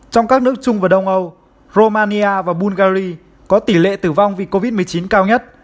trong các nước trung và đông âu romania và bulgari có tỷ lệ tử vong vì covid một mươi chín cao nhất